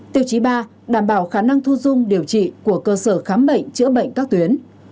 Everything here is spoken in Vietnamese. tiêu chí ba đảm bảo khả năng thu dung điều trị của cơ sở khám bệnh chữa bệnh các tuyến